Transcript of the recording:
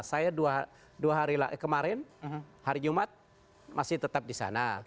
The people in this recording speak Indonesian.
saya dua hari kemarin hari jumat masih tetap disana